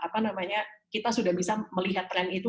kita sudah bisa melihat tren itu